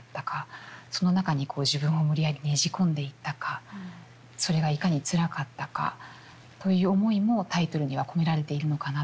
その中にこう自分を無理やりねじ込んでいったかそれがいかにつらかったかという思いもタイトルには込められているのかなと。